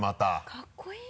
かっこいい。